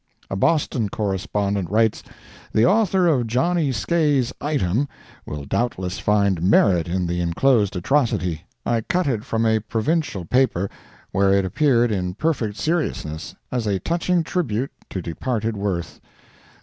A Boston correspondent writes: "The author of "Johnny Skae's Item" will doubtless find merit in the enclosed atrocity. I cut it from a Provincial paper, where it appeared in perfect seriousness, as a touching tribute to departed worth."